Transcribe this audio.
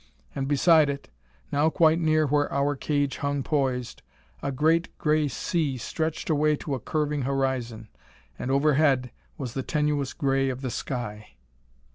And beside it, now quite near where our cage hung poised, a great gray sea stretched away to a curving horizon. And overhead was the tenuous gray of the sky.